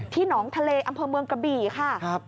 หนองทะเลอำเภอเมืองกระบี่ค่ะ